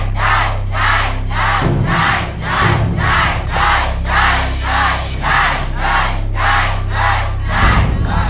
ได้